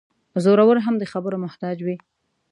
زورور هم د خبرو محتاج وي.